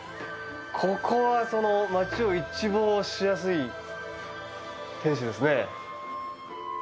ここは街を一望しやすい天守ですね。